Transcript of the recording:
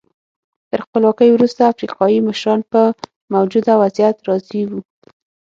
تر خپلواکۍ وروسته افریقایي مشران په موجوده وضعیت راضي وو.